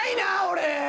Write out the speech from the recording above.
俺。